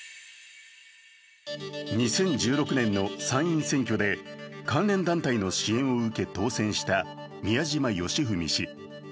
２０１６年の参院選挙で関連団体の支援を受け当選した宮島喜文氏。